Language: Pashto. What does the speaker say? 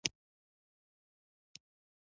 وطن سره مينه د ايمان نښه ده.